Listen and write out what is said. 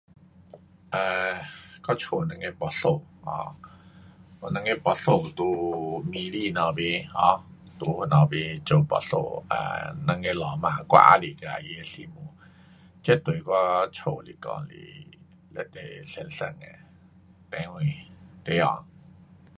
um 我家有两个牧师 um 有两个牧师在 Miri 那头边 um 在那头边做牧师，um 两个老公婆，这就是我阿弟跟他的媳妇。这对我家来讲是非常神圣的地方，地方。